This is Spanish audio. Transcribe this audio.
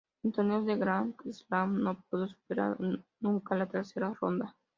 En torneos de Grand Slam no pudo superar nunca la tercera ronda.